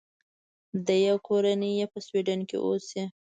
دی او کورنۍ یې په سویډن کې اوسي.